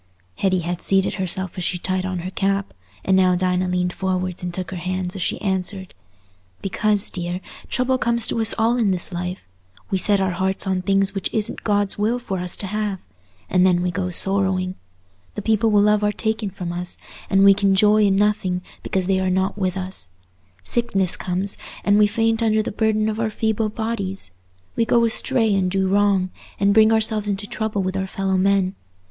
Hetty had seated herself as she tied on her cap, and now Dinah leaned forwards and took her hands as she answered, "Because, dear, trouble comes to us all in this life: we set our hearts on things which it isn't God's will for us to have, and then we go sorrowing; the people we love are taken from us, and we can joy in nothing because they are not with us; sickness comes, and we faint under the burden of our feeble bodies; we go astray and do wrong, and bring ourselves into trouble with our fellow men.